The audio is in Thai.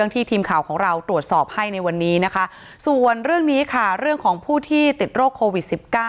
ทีมข่าวของเราตรวจสอบให้ในวันนี้นะคะส่วนเรื่องนี้ค่ะเรื่องของผู้ที่ติดโรคโควิด๑๙